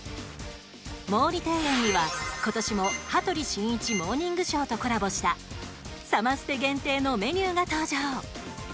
毛利庭園には、今年も「羽鳥慎一モーニングショー」とコラボしたサマステ限定のメニューが登場。